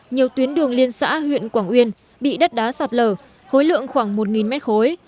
nhiều tuyến đường liên xã huyện quảng uyên bị đất đá sạt lở hối lượng khoảng một mét khối